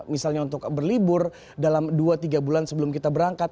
misalnya untuk berlibur dalam dua tiga bulan sebelum kita berangkat